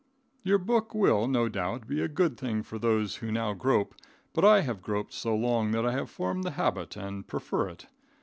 Your book will, no doubt, be a good thing for those who now grope, but I have groped so long that I have formed the habit and prefer it.